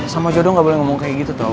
sama jodoh nggak boleh ngomong kayak gitu tau